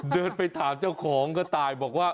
เดินไปถามเจ้าของกระต่ายบอกว่า